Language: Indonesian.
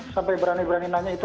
sampai berani berani nanya itu